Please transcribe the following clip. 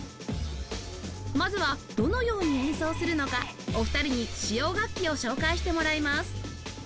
まずはどのように演奏するのかお二人に使用楽器を紹介してもらいます